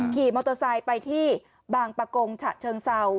ขี่มอเตอร์ไซค์ไปที่บางประกงฉะเชิงเศร้า